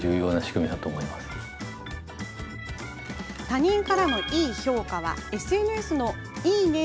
他人からのいい評価はＳＮＳのいいね！